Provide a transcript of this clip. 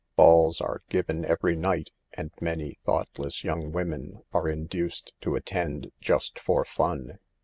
Balls are given every night, and many thoughtless young women are in f duced to attend, "just for fun."